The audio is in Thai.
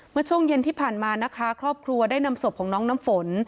เมื่อช่วงเย็นที่ผ่านมานะคะครอบครัวได้นำศพของน้องน้ำฝน